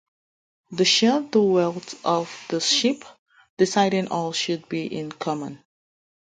They shared the wealth of the ship, deciding all should be in common.